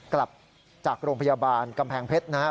กลับจากโรงพยาบาลกำแพงเพชรนะครับ